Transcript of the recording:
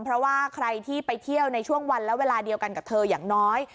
เพราะว่าใครที่ไปเที่ยวในช่วงวันและเวลาเดียวกันกับเธออย่างน้อย